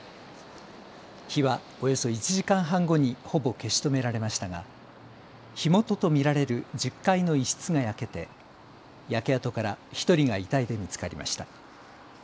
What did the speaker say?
火はおよそ１時間半後にほぼ消し止められましたが火元と見られる１０階の一室が焼けて焼け跡から１人が遺体で見つかりました。